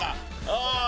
ああ。